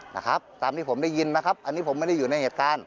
นะครับตามที่ผมได้ยินนะครับอันนี้ผมไม่ได้อยู่ในเหตุการณ์